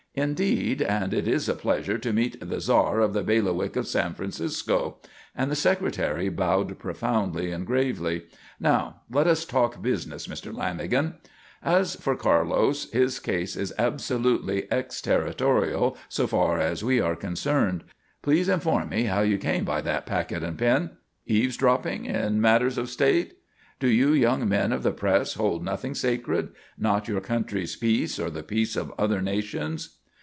"Indeed, and it is a pleasure to meet the Czar of the bailiwick of San Francisco," and the Secretary bowed profoundly and gravely. "Now let us talk business, Mr. Lanagan. "As for Carlos, his case is absolutely ex territorial so far as we are concerned. Please inform me how you came by that packet and pin eavesdropping in matters of State? Do you young men of the press hold nothing sacred? Not your country's peace or the peace of other nations?"